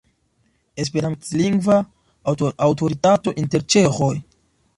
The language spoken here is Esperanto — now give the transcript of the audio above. Esperantlingva aŭtoritato inter ĉeĥoj.